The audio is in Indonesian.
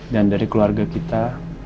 dan dari keluarga kita